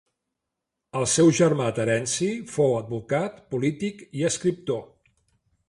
El seu germà Terenci fou advocat, polític i escriptor.